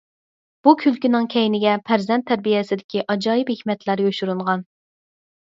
بۇ كۈلكىنىڭ كەينىگە پەرزەنت تەربىيەسىدىكى ئاجايىپ ھېكمەتلەر يوشۇرۇنغان.